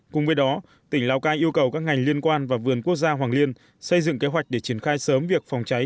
cùng với đó tỉnh lào cai yêu cầu các ngành liên quan và vườn quốc gia hoàng liên xây dựng kế hoạch để triển khai sớm việc phòng cháy